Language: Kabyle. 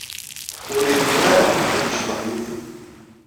Ur iri ara ad yecḍeḥ yid-i.